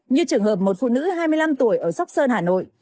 như trường hợp một phụ nữ hai mươi năm tuổi ở sóc sơn hà nội